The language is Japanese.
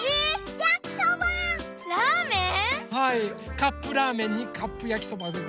カップラーメンにカップやきそばでございます。